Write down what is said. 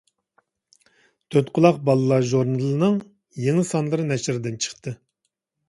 «تۆتقۇلاق بالىلار ژۇرنىلى»نىڭ يېڭى سانلىرى نەشردىن چىقتى.